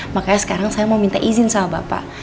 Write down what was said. makanya sekarang saya mau minta izin sama bapak